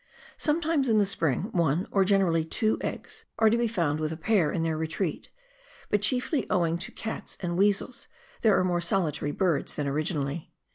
Sometimes in the spring, one, or generally two, eggs are to be found with a pair in their retreat, but, chiefly owing to cats and weasels, there are more solitary birds than originally.